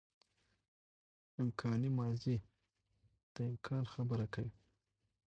امکاني ماضي د امکان خبره کوي.